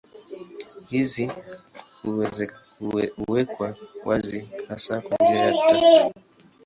Hizi huwekwa wazi hasa kwa njia tatu.